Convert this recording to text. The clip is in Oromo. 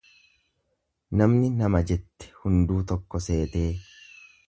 Namni nama jette hunduu tokko seetee.